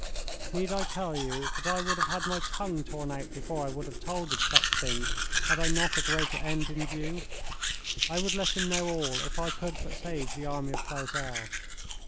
Need I tell you that I would have had my tongue torn out before I would have told him such things had I not a greater end in view? I would let him know all if I could but save the army of Clausel.